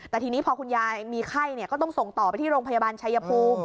แต่ทีนี้พอคุณยายมีไข้ก็ต้องส่งต่อไปที่โรงพยาบาลชายภูมิ